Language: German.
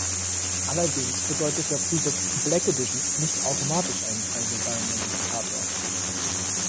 Allerdings bedeutet der Zusatz „Black Edition“ nicht automatisch einen frei wählbaren Multiplikator.